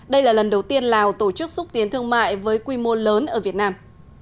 đây là lần đầu tiên lào tổ chức xúc tiến thương mại với quy mô lớn ở việt nam